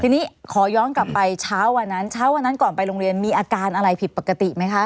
ทีนี้ขอย้อนกลับไปเช้าวันนั้นเช้าวันนั้นก่อนไปโรงเรียนมีอาการอะไรผิดปกติไหมคะ